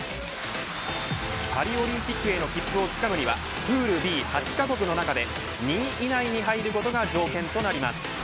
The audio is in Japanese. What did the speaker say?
パリオリンピックへの切符をつかむにはプールＢ、８カ国の中で２位以内に入ることが条件となります。